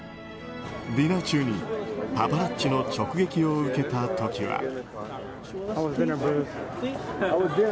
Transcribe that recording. ディナー中にパパラッチの直撃を受けた時は。